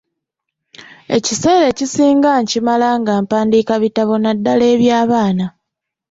Ekiseera ekisinga nkimala nga mpandiika bitabo naddala eby'abaana.